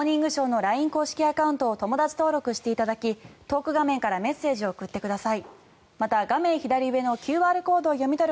アプリで「モーニングショー」と検索をして「モーニングショー」のＬＩＮＥ公式アカウントを友だち登録していただきトーク画面からメッセージを送ってください。